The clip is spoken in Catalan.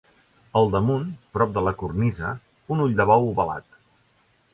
Al damunt, prop de la cornisa, un ull de bou ovalat.